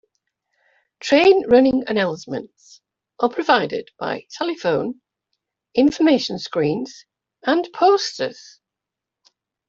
Train running announcements are provided by telephone, information screens and posters.